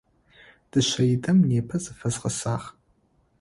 Дышъэидэм непэ зыфэзгъэсагъ.